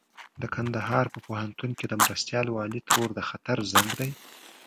د کندهار په پوهنتون کې د مرستيال والي ترور د خطر زنګ دی.